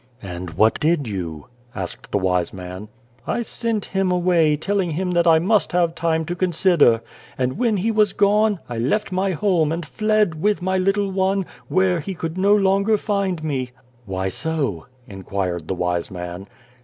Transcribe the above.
" And what did you ?" asked the wise man. 205 The Child, the Wise Man " I sent him away, telling him that I must have time to consider. And when he was gone, I left my home, and fled, with my little one, where he could no longer find me." " Why so ?" inquired the wise man.